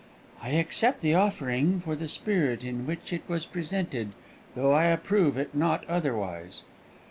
"I accept the offering for the spirit in which it was presented, though I approve it not otherwise."